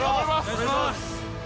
お願いします！